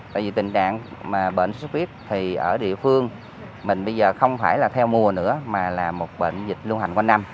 tại vì tình trạng bệnh sốt huyết thì ở địa phương mình bây giờ không phải là theo mùa nữa mà là một bệnh dịch lưu hành qua năm